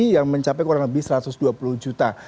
yang mencapai kurang lebih satu ratus dua puluh juta